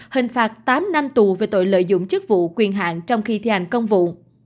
hình phạt tám năm tù về tội lợi dụng chức vũ quyền hạng trong khi thể hành công vụ